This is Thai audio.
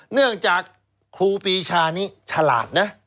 เนื่องจากครูปีชานี้ฉลาดนะ